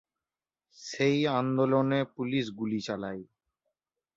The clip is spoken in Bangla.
সেই আন্দোলনে পুলিশ গুলি চালায়।